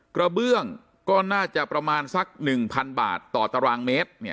กระเบื้องก็น่าจะประมาณสัก๑๐๐บาทต่อตารางเมตร